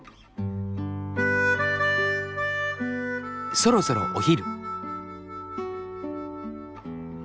そろそろお昼。